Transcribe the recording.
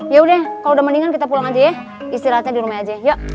yaudah kalau udah mendingan kita pulang aja ya istirahatnya di rumah aja